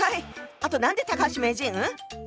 あと何で高橋名人？